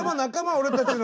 俺たちの。